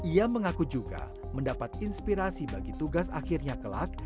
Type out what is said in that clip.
ia mengaku juga mendapat inspirasi bagi tugas akhirnya kelak